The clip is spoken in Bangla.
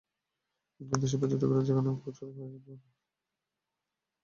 কিন্তু দেশি পর্যটকেরা যেখানে প্রচুর সংখ্যায় যান, সেখানেই পর্যটনশিল্পের বিকাশ ঘটে।